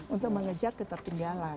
untuk mengejar ketertinggalan